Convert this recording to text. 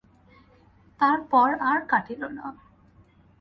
তার পর আর কাটিল না।